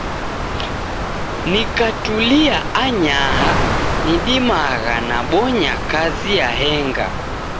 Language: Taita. Nikatulia anyaha, nidimagha nabonya kazi yahenga.